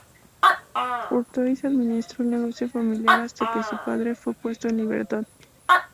Courtois administró el negocio familiar hasta que su padre fue puesto en libertad.